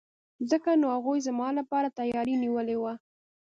ځکه نو هغوی زما لپاره تیاری نیولی وو.